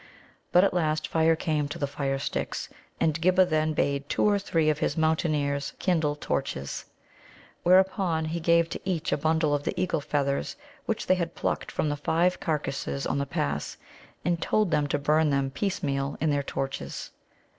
But at last fire came to the firesticks, and Ghibba then bade two or three of his Mountaineers kindle torches. Whereupon he gave to each a bundle of the eagle feathers which they had plucked from the five carcasses on the pass, and told them to burn them piecemeal in their torches.